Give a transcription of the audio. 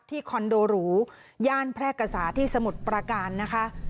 คอนโดหรูย่านแพร่กษาที่สมุทรประการนะคะ